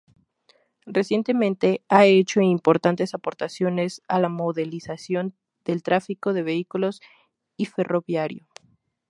Recientemente ha hecho importantes aportaciones a la modelización del tráfico de vehículos y ferroviario.